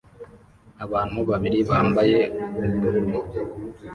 Abantu babiri bambaye ubururu